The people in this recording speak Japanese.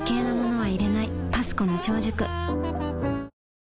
はい。